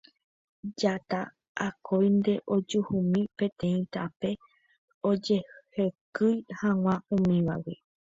Jata akóinte ojuhúmi peteĩ tape ojehekýi hag̃ua umívagui.